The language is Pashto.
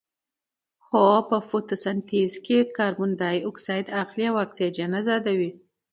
هو په فتوسنتیز کې کاربن ډای اکسایډ اخلي او اکسیجن ازادوي